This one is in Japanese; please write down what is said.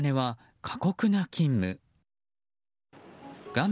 画面